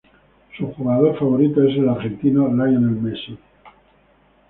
Su jugador favorito es el argentino Lionel Messi.